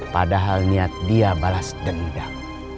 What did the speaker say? padahal niat dia balas dendam